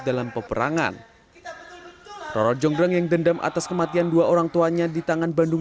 dalam peperangan roro jonggrang yang dendam atas kematian dua orang tuanya di tangan bandung